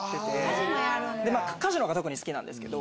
カジノが特に好きなんですけど。